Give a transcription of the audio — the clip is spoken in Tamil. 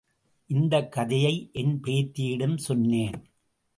இந்தக் கதையை என் பேத்தியிடம் சொன்னேன்.